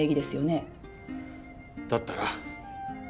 だったら？